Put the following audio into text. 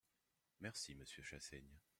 Merci, monsieur Chassaigne.